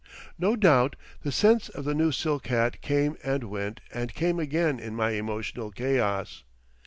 No doubt the sense of the new silk hat came and went and came again in my emotional chaos.